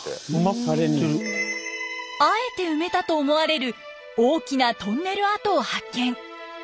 あえて埋めたと思われる大きなトンネル跡を発見。